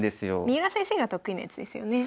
三浦先生が得意なやつですよね？